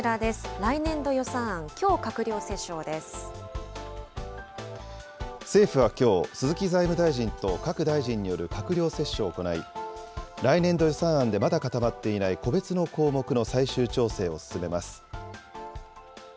来年度予算案、きょう閣僚折衝で政府はきょう、鈴木財務大臣と各大臣による閣僚折衝を行い、来年度予算案でまだ固まっていない個別の項目の最終調整を進めます。